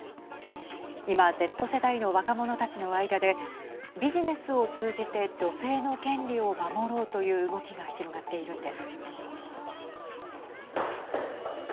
今、Ｚ世代の若者たちの間でビジネスを通じて女性の権利を守ろうという動きが広がっているんです。